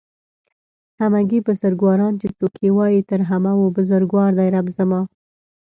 همگي بزرگواران چې څوک يې وايي تر همه و بزرگوار دئ رب زما